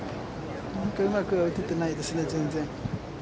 うまく打ててないですね、全然。